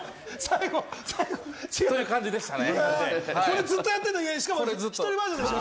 という感じでしたね。